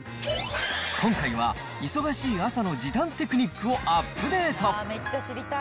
今回は、忙しい朝の時短テクニックをアップデート。